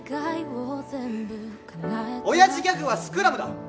親父ギャグはスクラムだ！